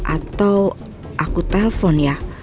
atau aku telpon ya